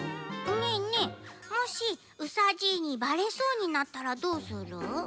もしうさじいにバレそうになったらどうする？